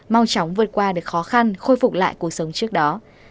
mau chóng vượt qua được khó khăn khôi phục lại cuộc sống trước đó